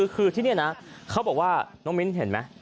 คือที่นี่นะเขาบอกว่าน้องมิ้นเห็นไหม